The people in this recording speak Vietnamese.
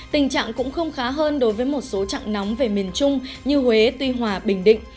tình trạng cũng không khá hơn đối với một số trạng nóng về miền trung như huế tuy hòa bình định